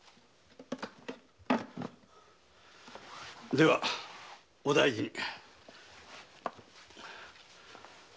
ではお大事に。